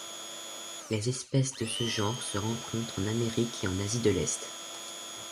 Les espèces de ce genre se rencontrent en Amérique et en Asie de l'Est.